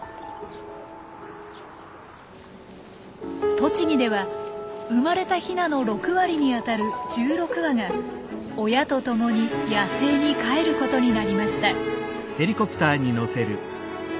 栃木では生まれたヒナの６割にあたる１６羽が親とともに野生に帰ることになりました。